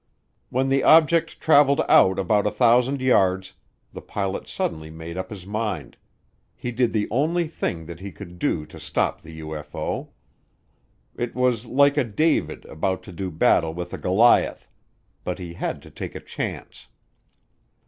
When the object traveled out about 1,000 yards, the pilot suddenly made up his mind he did the only thing that he could do to stop the UFO. It was like a David about to do battle with a Goliath, but he had to take a chance.